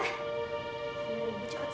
ibu ibu cepat sekali